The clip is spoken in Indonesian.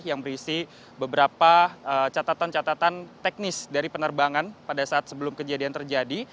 yang berisi beberapa catatan catatan teknis dari penerbangan pada saat sebelum kejadian terjadi